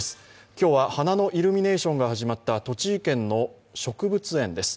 今日は花のイルミネーションが始まった栃木県の植物園です。